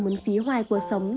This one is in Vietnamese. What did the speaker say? muốn phí hoài cuộc sống